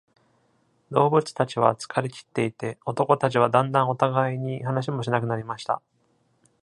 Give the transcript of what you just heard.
動物たちは疲れきっていて、男たちはだんだんお互いに話もしなくなりました。